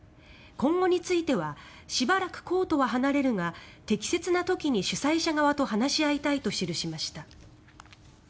今後についてはしばらくコートは離れるが適切な時に主催者側と話し合いたいと記しました。